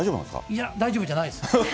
いや、大丈夫じゃないです。